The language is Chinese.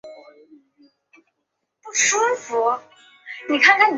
诺斯伍兹是位于美国亚利桑那州阿帕契县的一个非建制地区。